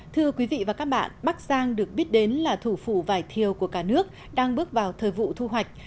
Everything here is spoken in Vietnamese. thưa quý vị và các bạn bắc giang được biết đến là thủ phủ vải thiều của cả nước đang bước vào thời vụ thu hoạch